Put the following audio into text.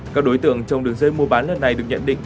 các đối tượng trong đường dây mua bán lần này được nhận định